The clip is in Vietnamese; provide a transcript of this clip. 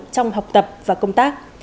trong học tập và công tác